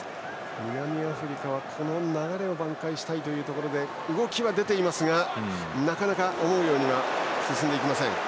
南アフリカは、この流れを挽回したいというところで動きは出ているがなかなか思うように進みません。